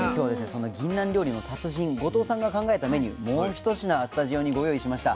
そんなぎんなん料理の達人後藤さんが考えたメニューもう一品スタジオにご用意しました。